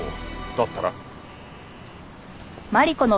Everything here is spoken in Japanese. だったら？